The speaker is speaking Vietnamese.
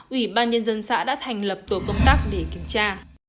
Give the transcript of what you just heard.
ủy ban nhân dân xã đã thành lập tổ công tác để kiểm tra